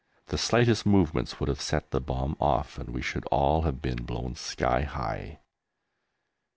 The slightest movements would have set the bomb off and we should all have been blown sky high.